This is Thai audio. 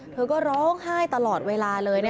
เธอก็ร้องไห้ตลอดเวลาเลย